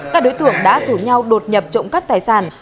các đối tượng đã rủ nhau đột nhập trộm cắp tài sản